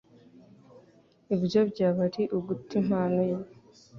Ibyo byaba ari uguta impano ye.